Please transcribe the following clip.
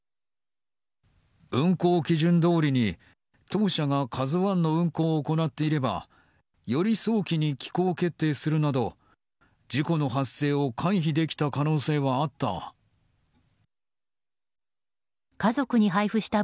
運航基準どおりに当社が「ＫＡＺＵ１」の運航を行っていれば寄り早期に帰港決定するなど事故の発生を回避できた可能性はあった。